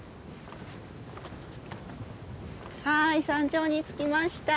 はい山頂に着きました。